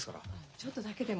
・ちょっとだけでも。